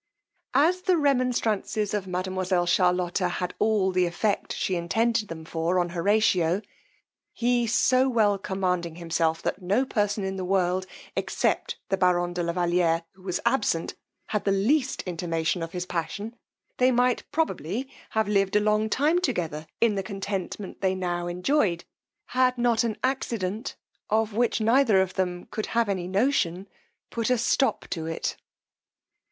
As the remonstrances of mademoiselle Charlotta had all the effect she intended them for on Horatio, he so well commanding himself that no person in the world, except the baron de la Valiere, who was absent, had the least intimation of his passion, they might probably have lived a long time together in the contentment they now enjoyed, had not an accident, of which neither of them could have any notion, put a stop to it.